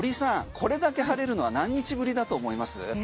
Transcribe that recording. これだけ入れるのは何日ぶりだと思います？